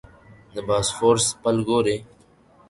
د باسفورس پل ګورې.